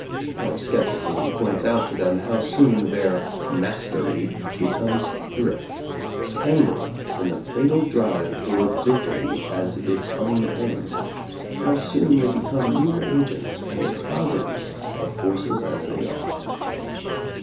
Our skepticism points out to them how soon their "mas tery'' becomes "drift," tangled in the fatal drive toward victory as its own end, how soon they be come mere agents and expositors of forces as they are.